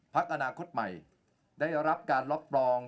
พักอนาคตใหม่ได้รับการรับรอง